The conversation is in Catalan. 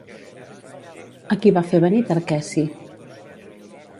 A qui va fer venir Tarqueci?